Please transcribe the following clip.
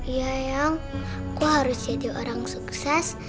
iya ayang aku harus jadi orang sukses